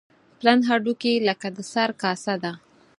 پلن هډوکي لکه د سر کاسه ده.